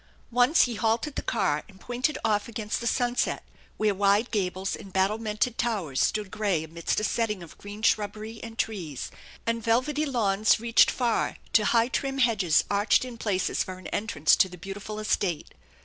Once he halted the car and pointed off against the sunset, where wide gables and battlemented towers stood gray amidst a setting of green shrubbery and trees, and velvety lawns reached far, to high, trim hedges arched in places for an entrance to the beautiful estate.